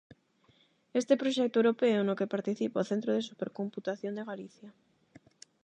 Este proxecto europeo, no que participa o Centro de Supercomputación de Galicia.